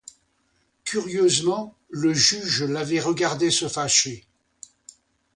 Curieusement, le juge l'avait regardé se fâcher.